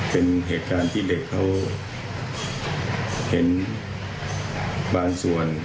เป็นเหตุการณ์ที่เด็กเขาเห็นบางส่วน